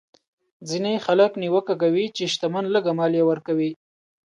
ځینې خلک نیوکه کوي چې شتمن لږه مالیه ورکوي.